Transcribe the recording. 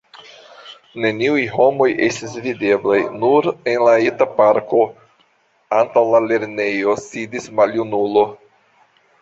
Neniuj homoj estis videblaj, nur en la eta parko, antaŭ la lernejo, sidis maljunulo.